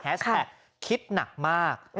แฮชแท็กคิดหนักมาก